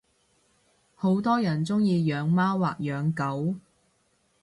好多人鐘意養貓或養狗